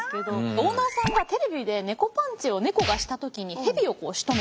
オーナーさんがテレビでネコパンチをネコがした時にヘビをしとめた。